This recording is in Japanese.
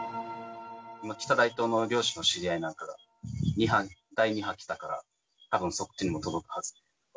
北大東の漁師の知り合いなんかが、第２波来たから、たぶんそっちにも届くはずと。